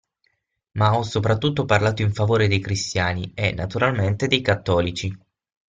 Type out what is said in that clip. Ma ho soprattutto parlato in favore dei cristiani e, naturalmente, dei cattolici.